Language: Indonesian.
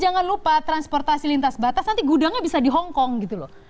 jika kita melakukan transportasi lintas batas nanti gudangnya bisa di hongkong gitu loh